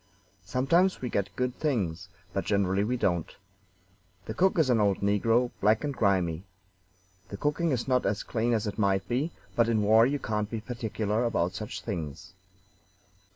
Sometimes we get good things, but generally we don't. The cook is an old negro, black and grimy. The cooking is not as clean as it might be, but in war you can't be particular about such things.